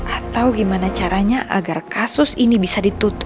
atau gimana caranya agar kasus ini bisa ditutup